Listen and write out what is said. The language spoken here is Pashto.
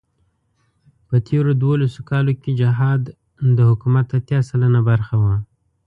په تېرو دولسو کالو کې جهاد د حکومت اتيا سلنه برخه وه.